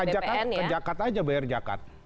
kita bayar pajak ke jakat aja bayar jakat